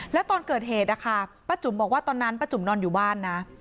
แล้วตอนเกิดเหตุนะคะป้าจุ๋มบอกว่าตอนนั้นป้าจุ๋มนอนอยู่บ้านนะ